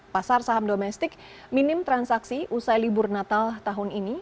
pasar saham domestik minim transaksi usai libur natal tahun ini